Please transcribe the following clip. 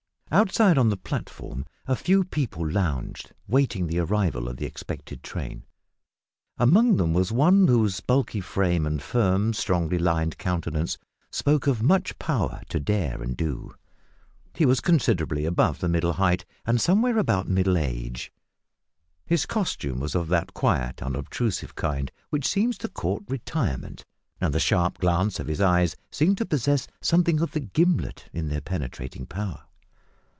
Outside on the platform a few people lounged, waiting the arrival of the expected train. Among them was one whose bulky frame and firm strongly lined countenance spoke of much power to dare and do. He was considerably above the middle height and somewhere about middle age. His costume was of that quiet unobtrusive kind which seems to court retirement, and the sharp glance of his eyes seemed to possess something of the gimblet in their penetrating power.